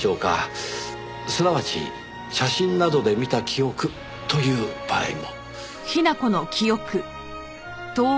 すなわち写真などで見た記憶という場合も。